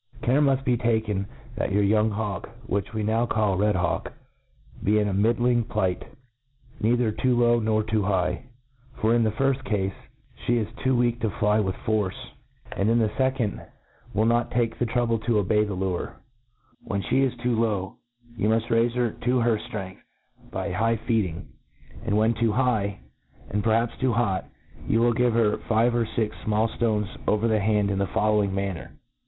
CARE muft be taken that your young hawk, which we np^ call a red hawk, 1^ in a middling })Ught^ neither too low nor too high ; for, in the f^ril cafe, flic is too weak to fly with force, and, in t5» A T R E A T I S E O F > in the fecond, will not take the trouble to obey the lure. When flic is too low, you muft raifc her to her ftrcngthbyhigh feeding; and when too high, and perhaps too hot, you will give her five of fix finall ftoncs over the hand in the following mmr ncr.